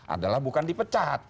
adalah bukan dipecat